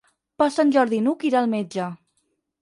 Per Sant Jordi n'Hug irà al metge.